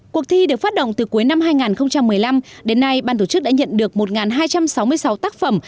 cuộc thi được phát động từ cuối năm hai nghìn một mươi năm đến nay ban tổ chức đã nhận được một hai trăm sáu mươi sáu tác phẩm